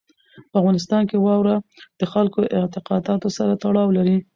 په افغانستان کې واوره د خلکو د اعتقاداتو سره تړاو لري.